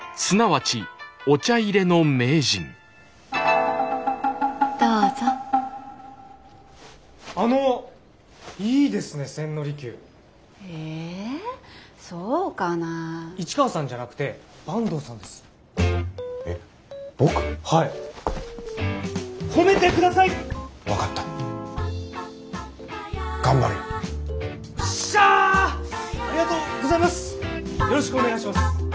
よろしくお願いします。